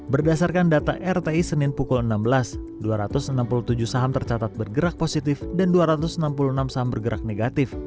berdasarkan data rti senin pukul enam belas dua ratus enam puluh tujuh saham tercatat bergerak positif dan dua ratus enam puluh enam saham bergerak negatif